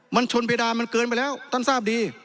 มันชนเพดานมันเกินไปแล้วท่านทราบดี